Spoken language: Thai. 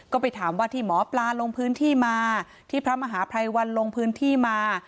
ก็ไปถามว่าที่หมอปลาลงพื้นที่มาที่พระมหาภัยวันลงพื้นที่มา